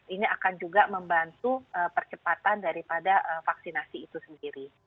ini akan juga membantu percepatan daripada vaksinasi itu sendiri